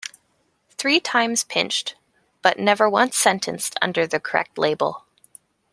Three times pinched, but never once sentenced under the correct label.